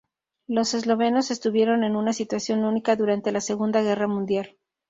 Los eslovenos estuvieron en una situación única durante la Segunda Guerra Mundial.